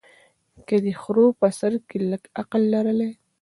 که دې خرو په سر کي لږ عقل لرلای